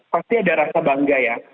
pasti ada rasa bangga ya